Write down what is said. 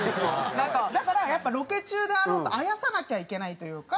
だからやっぱロケ中であろうとあやさなきゃいけないというか。